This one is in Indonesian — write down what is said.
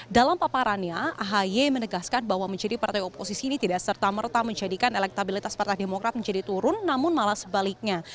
dalam paparannya ahy menegaskan bahwa menjadi partai oposisi ini tidak serta merta menjadikan elektabilitas partai demokrat menjadi turun namun malah sebaliknya